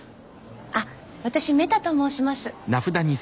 あっ私メタと申します。